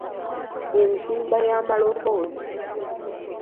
Enzimba y’amaloboozi